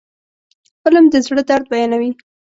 فلم د زړه درد بیانوي